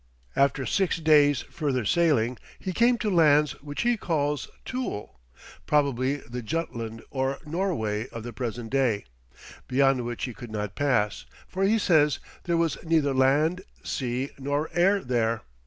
After six days further sailing, he came to lands which he calls Thule, probably the Jutland or Norway of the present day, beyond which he could not pass, for he says, "there was neither land, sea, nor air there."